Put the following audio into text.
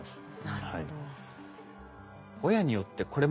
なるほど。